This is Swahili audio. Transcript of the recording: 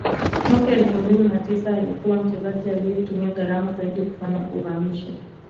mwaka elfu mbili na tisa alikuwa mchezaji aliye tumia gharama zaidi kufanya uhamisho